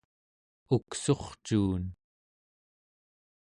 uksurcuun